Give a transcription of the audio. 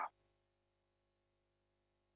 รัฐบาลจะบริหารประเทศจะใช้เงินอย่างเจียมเนื้อเจียมตัวกันหรือเปล่า